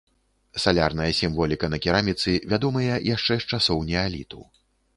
Салярная сімволіка на кераміцы вядомыя яшчэ з часоў неаліту.